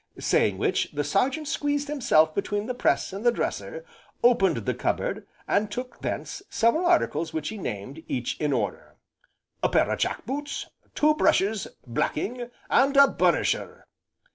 Saying which, the Sergeant squeezed himself between the press and the dresser, opened the cupboard, and took thence several articles which he named, each in order. "A pair o' jack boots, two brushes, blacking, and a burnisher."